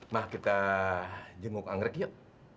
mah kita jenguk anggrek yuk